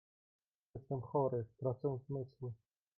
"Jestem chory, tracę zmysły!"